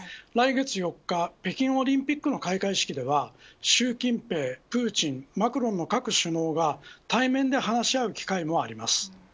来月４日北京オリンピックの開会式では習近平、プーチンマクロンの各首脳が対面で話し合う機会もあります。